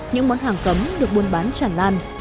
những món hàng cấm được buôn bán tràn lan